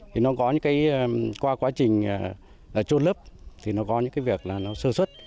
thì nó có những cái qua quá trình trôn lấp thì nó có những cái việc là nó sơ xuất